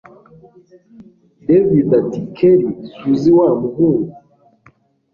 david ati kelli suzi wamuhungu